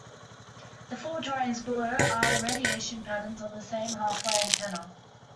The four drawings below are the radiation patterns of a same half-wave antenna.